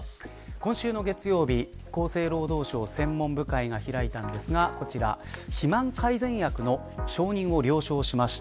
今週の月曜日、厚生労働省専門部会が開いたのですが肥満改善薬の承認を了承しました。